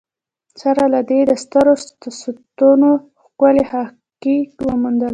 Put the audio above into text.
سره له دې یې د سترو ستنو ښکلې حکاکي وموندله.